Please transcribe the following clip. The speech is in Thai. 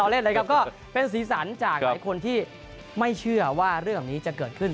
ลองเล่นแล้วก็เป็นศีรษะจากคนที่ไม่เชื่อว่าเรื่องนี้จะเกิดขึ้น